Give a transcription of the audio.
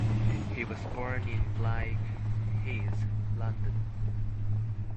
He was born in Blackheath, London.